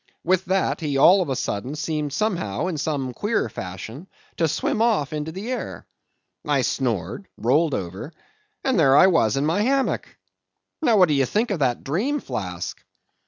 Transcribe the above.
With that, he all of a sudden seemed somehow, in some queer fashion, to swim off into the air. I snored; rolled over; and there I was in my hammock! Now, what do you think of that dream, Flask?"